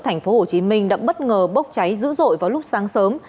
thành phố hồ chí minh đã bất ngờ bốc cháy dữ dội vào lúc sáng sớm